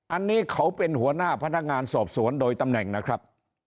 อันนี้เขาเป็นหัวหน้าพนักงานสอบสวนโดยตำแหน่งนะครับ